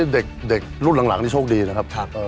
เด็กรุ่นหลังนี่โชคดีนะครับ